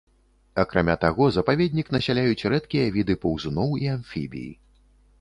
Акрамя таго запаведнік насяляюць рэдкія віды паўзуноў і амфібій.